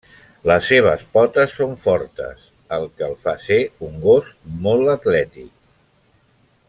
Les seves potes són fortes el que el fa ser un gos molt atlètic.